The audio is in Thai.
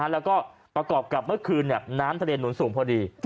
แล้วก็ประกอบกับเมื่อคืนน้ำทะเลหนุนสูงพอดี